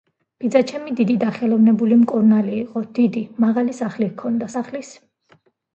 ბიძაჩემი დიდად დახელოვნებული მკურნალი იყო. დიდი, მაღალი სახლი ჰქონდა. სახლის